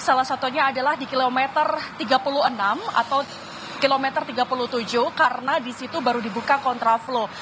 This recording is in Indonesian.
salah satunya adalah di kilometer tiga puluh enam atau kilometer tiga puluh tujuh karena di situ baru dibuka kontraflow